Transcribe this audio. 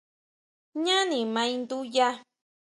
Jñáni ma induya.